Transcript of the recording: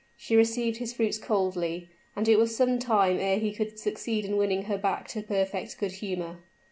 She received his fruits coldly; and it was some time ere he could succeed in winning her back to perfect good humor.